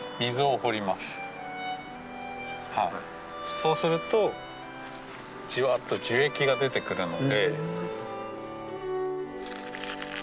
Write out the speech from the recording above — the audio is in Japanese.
そうするとじわっと樹液が出てくるので。